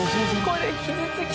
これ。